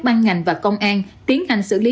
ban ngành và công an tiến hành xử lý